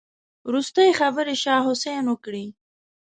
وروستۍ خبرې شاه حسين وکړې.